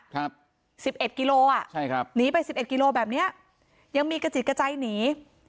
ครับสิบเอ็ดกิโลอ่ะใช่ครับหนีไปสิบเอ็ดกิโลแบบเนี้ยยังมีกระจิตกระจายหนี